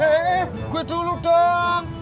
hei gue dulu dong